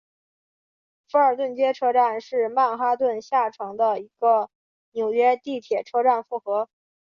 福尔顿街车站是曼哈顿下城的一个纽约地铁车站复合。